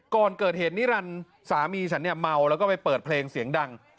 ก่อนเกิดเหตุนิรันดิ์สามีฉันเนี่ยเมาแล้วก็ไปเปิดเพลงเสียงดัง